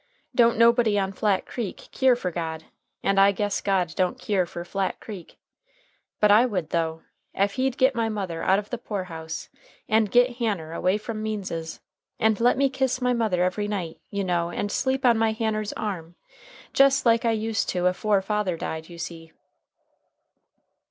Don't nobody on Flat Creek keer fer God, and I guess God don't keer fer Flat Creek. But I would, though, ef he'd git my mother out of the poor house and git Hanner away from Means's, and let me kiss my mother every night, you know, and sleep on my Hanner's arm, jes like I used to afore father died, you see."